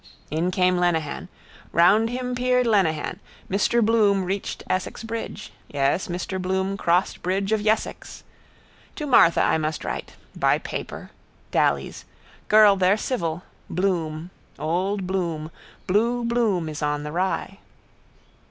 In came Lenehan. Round him peered Lenehan. Mr Bloom reached Essex bridge. Yes, Mr Bloom crossed bridge of Yessex. To Martha I must write. Buy paper. Daly's. Girl there civil. Bloom. Old Bloom. Blue bloom is on the rye.